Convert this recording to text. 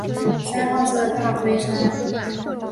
山号是大龟山。